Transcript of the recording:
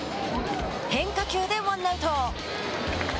変化球で、ワンアウト。